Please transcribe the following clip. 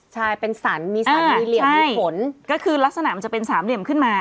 ใช่เป็นสรรมีสันมีเหลี่ยมมีผลก็คือลักษณะมันจะเป็นสามเหลี่ยมขึ้นมา